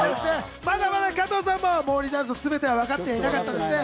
まだまだ加藤さんもモーリーダンスの全ては分かっていなかったですね。